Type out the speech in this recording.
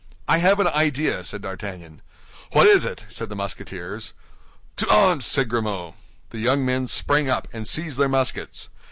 "I have an idea," said D'Artagnan. "What is it?" said the Musketeers. "To arms!" cried Grimaud. The young men sprang up, and seized their muskets.